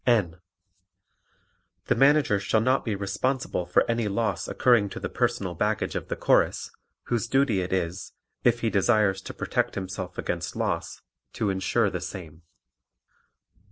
N. The Manager shall not be responsible for any loss occurring to the personal baggage of the Chorus, whose duty it is, if he desires to protect himself against loss, to insure the same.